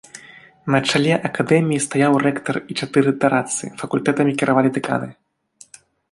На чале акадэміі стаяў рэктар і чатыры дарадцы, факультэтамі кіравалі дэканы.